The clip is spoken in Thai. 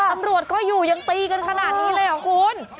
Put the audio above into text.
ตำรวจก็อยู่ยังตีกันขนาดนี้เลยเหรอคุณ